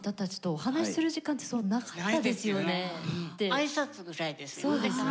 挨拶ぐらいですよね